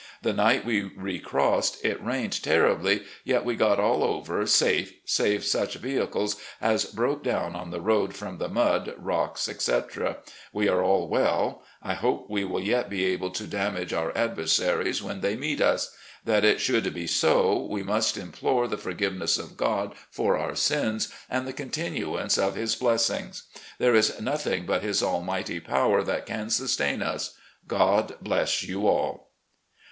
The night we recrossed it rained terribly, yet we got all over safe, save such vehicles as broke down on the road from the mud, rocks, etc. We are aU well. I hope we will yet be able to damage our adversaries when they meet us. That it should be so, we must implore the forgiveness of God for our sins, and the continuance of His blessings. There is nothing but His almighty power that can sustain us. God bless you all.